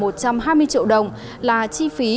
một trăm hai mươi triệu đồng là chi phí